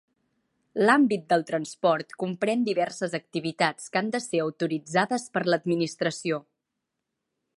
L'àmbit del transport comprèn diverses activitats que han de ser autoritzades per l'Administració.